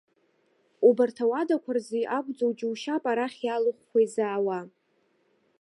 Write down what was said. Убарҭ ауадақәа рзы акәӡоу џьушьап арахь иалыхәхәа изаауа.